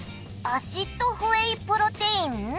アシッドホエイプロテイン？